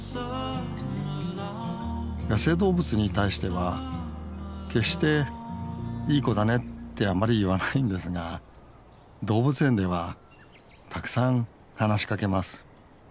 野生動物に対しては決して「いい子だね」ってあまり言わないんですが動物園ではたくさん話しかけます。